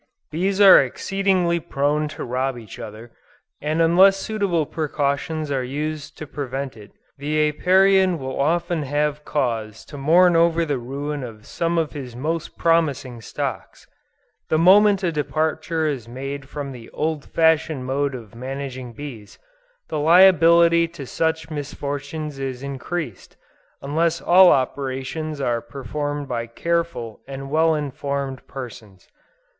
Bees are exceedingly prone to rob each other, and unless suitable precautions are used to prevent it, the Apiarian will often have cause to mourn over the ruin of some of his most promising stocks. The moment a departure is made from the old fashioned mode of managing bees, the liability to such misfortunes is increased, unless all operations are performed by careful and well informed persons.